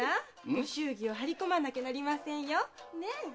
ご祝儀を張り込まなきゃなりませんよねえ？